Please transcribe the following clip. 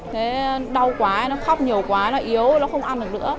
thế đau quá nó khóc nhiều quá nó yếu nó không ăn được nữa